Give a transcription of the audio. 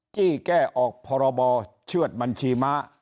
จี้แก้ออกพรบเชื่อดบัญชีม้า